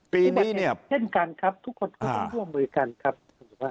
ปีนี้เนี่ยเช่นกันครับทุกคนก็ต้องร่วมมือกันครับ